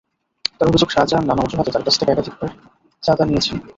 তাঁর অভিযোগ, শাহজাহান নানা অজুহাতে তাঁর কাছ থেকে একাধিকবার চাঁদা নিয়েছেন।